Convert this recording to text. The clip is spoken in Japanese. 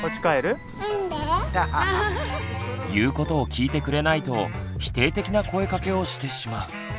言うことを聞いてくれないと否定的な声かけをしてしまう。